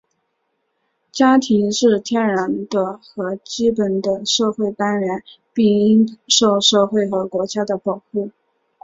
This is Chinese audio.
家庭是天然的和基本的社会单元,并应受社会和国家的保护。